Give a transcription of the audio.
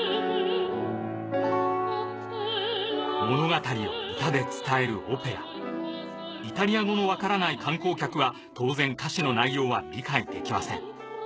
物語を歌で伝えるオペライタリア語のわからない観光客は当然歌詞の内容は理解できません。